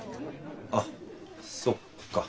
あっそっか。